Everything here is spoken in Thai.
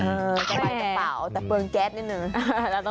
สบายกระเป๋าแต่เปลืองแก๊สนิดนึง